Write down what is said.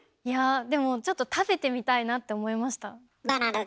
いやでもちょっと食べてみたいなって思いました。